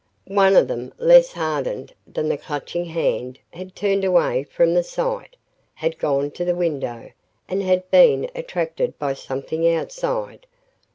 One of them, less hardened than the Clutching Hand, had turned away from the sight, had gone to the window, and had been attracted by something outside.